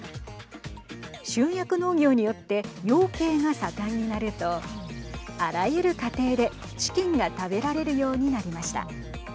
集約農業によって養鶏が盛んになるとあらゆる家庭でチキンが食べられるようになりました。